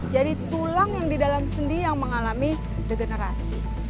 jadi tulang yang di dalam sendi yang mengalami degenerasi